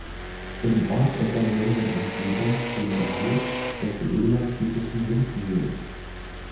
Im Ort und seiner näheren Umgebung stehen drei der für Öland typischen Windmühlen.